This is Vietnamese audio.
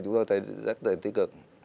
chúng tôi thấy rất là tích cực